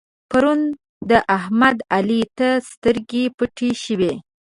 پرون د احمد؛ علي ته سترګې پټې شوې.